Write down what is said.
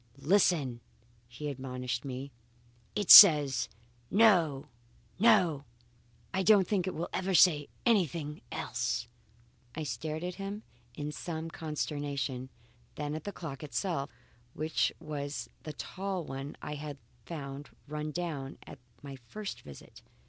"Listen!" he admonished me. "It still says No! No! I don't think it will ever say anything else." I stared at him in some consternation, then at the clock itself which was the tall one I had found run down at my first visit.